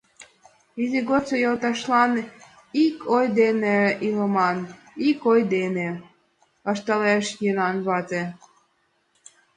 — Изи годсо йолташлан ик ой дене илыман, ик ой дене! — ышталеш Йонан вате.